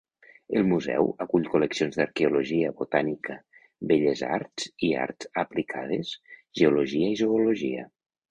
El museu acull col·leccions d'arqueologia, botànica, belles arts i arts aplicades, geologia i zoologia.